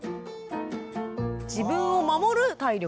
自分を守る体力。